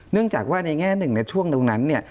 เนื่องจากว่าในแง่หนึ่งในช่วงตรงนั้นเนี่ย